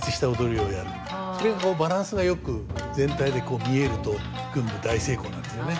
それがバランスがよく全体で見えると群舞大成功なんですよね。